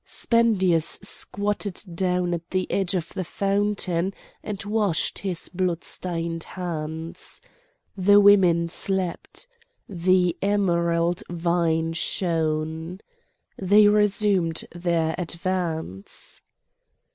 Spendius squatted down at the edge of the fountain and washed his bloodstained hands. The women slept. The emerald vine shone. They resumed their advance.